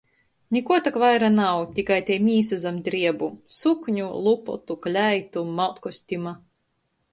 Nikuo tok vaira nav, tikai tei mīsa zam driebu – sukņu, lupotu, kleitu, maudkostima.